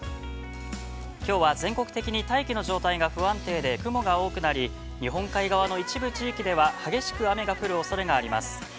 きょうは全国的に大気の状態が不安定で雲が多くなり、日本海側では、激しく雨が降るおそれがあります。